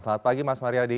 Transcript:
selamat pagi mas mariadi